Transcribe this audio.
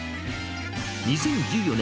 ２０１４年